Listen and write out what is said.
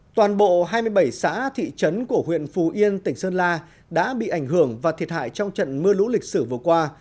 toàn bộ hai mươi bảy xã thị trấn của huyện phú yên tỉnh sơn la đã bị ảnh hưởng và thiệt hại trong trận mưa lũ lịch sử vừa qua